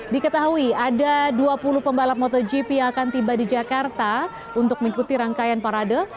diketahui ada dua puluh pembalap motogp yang akan tiba di jakarta untuk mengikuti rangkaian parade